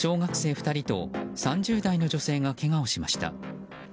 ２人と３０代の女性がけがをしました。